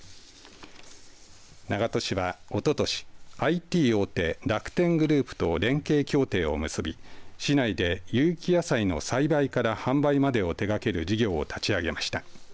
長門市は、おととしＩＴ大手、楽天グループと連携協定を結び市内で有機野菜の栽培から販売までを手がける事業を立ち上げました。